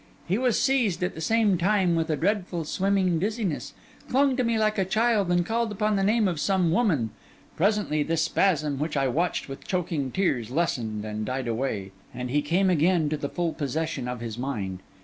He was seized, at the same time, with a dreadful, swimming dizziness, clung to me like a child, and called upon the name of some woman. Presently this spasm, which I watched with choking tears, lessened and died away; and he came again to the full possession of his mind.